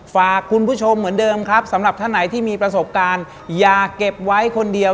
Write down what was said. ฝากคุณผู้ชมเหมือนเดิมครับสำหรับท่านไหนที่มีประสบการณ์อย่าเก็บไว้คนเดียว